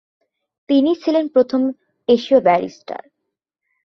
তিনিই ছিলেন প্রথম এশীয় ব্যারিস্টার।